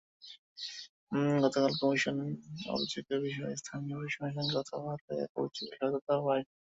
গতকাল কমিশন অভিযোগের বিষয়ে স্থানীয় প্রশাসনের সঙ্গে কথা বলে অভিযোগের সত্যতা পায়।